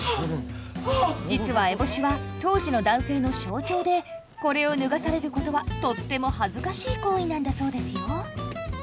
実は烏帽子は当時の男性の象徴でこれを脱がされることはとっても恥ずかしい行為なんだそうですよ。